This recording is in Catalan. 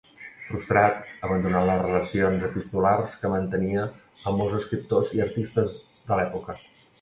Frustrat, abandonà les relacions epistolars que mantenia amb molts escriptors i artistes de l'època.